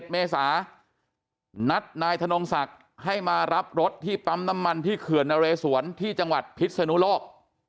เมษานัดนายธนงศักดิ์ให้มารับรถที่ปั๊มน้ำมันที่เขื่อนนะเรสวนที่จังหวัดพิษนุโลก